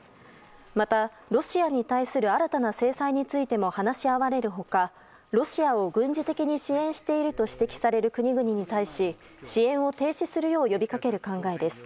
また、ロシアに対する新たな制裁についても話し合われる他ロシアを軍事的に支援していると指摘される国々に対し支援を停止するよう呼びかける考えです。